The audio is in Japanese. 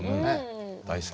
大好き。